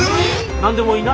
何でも言いな。